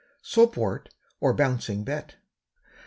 SOAPWORT OR BOUNCING BET.